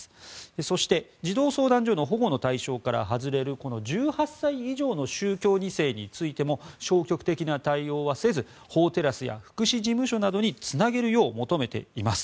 そして、児童相談所の保護の対象から外れるこの１８歳以上の宗教２世についても消極的な対応はせず法テラスや福祉事務所などにつなげるよう求めています。